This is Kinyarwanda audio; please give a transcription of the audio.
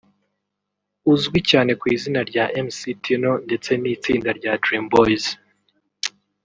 uzwi cyane ku izina rya Mc Tino ndetse n’itsinda rya Dream Boys